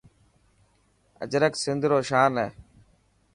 اجرڪ سنڌ رو شان هي.